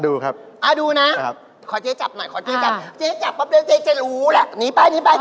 เออเจ๊ดูนะถ้าเจ๊นี่เขาตากแดดเยอะไปแล้วแขนดำมากเลย